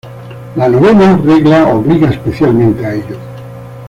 La novena regla obliga especialmente a ello.